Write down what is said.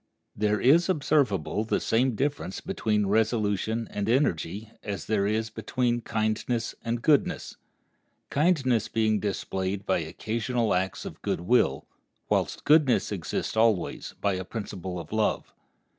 There is observable the same difference between resolution and energy as there is between kindness and goodness—kindness being displayed by occasional acts of good will, whilst goodness exists always, by a principle of love.